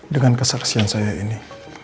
dengan kesaksian saya ini